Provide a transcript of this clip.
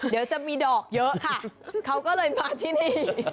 เดี๋ยวจะมีดอกเยอะค่ะเขาก็เลยมาที่นี่